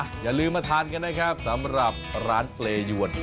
อย่าลืมมาทานกันนะครับสำหรับร้านเปรยวน